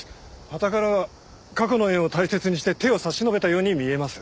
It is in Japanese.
はたからは過去の縁を大切にして手を差し伸べたように見えます。